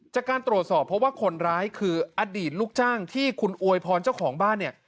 จากการตรวจสอบเพราะว่าคนร้ายคืออดีตลูกจ้างที่คุณอวยพรเจ้าของบ้านเนี่ย